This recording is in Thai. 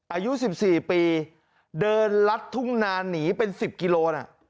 อายุ๑๔ปีเดินลัดทุ่งนาหนีเป็น๑๐กิโลนะ